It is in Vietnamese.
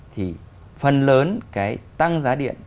thì phần lớn cái tăng giá điện